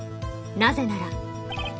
なぜなら。